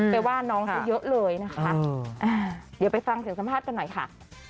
ว่าน้องเขาเยอะเลยนะคะเดี๋ยวไปฟังเสียงสัมภาษณ์กันหน่อยค่ะ